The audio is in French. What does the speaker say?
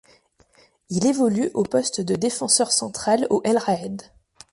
Il évolue au poste de défenseur central au Al-Raed.